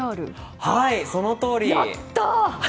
そのとおり。